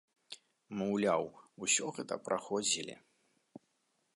Маўляў, усё гэта праходзілі.